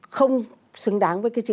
không xứng đáng với cái chữ